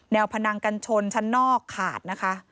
พนังกันชนชั้นนอกขาดนะคะ